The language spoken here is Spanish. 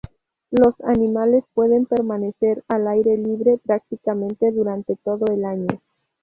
Los animales pueden permanecer al aire libre, prácticamente durante todo el año.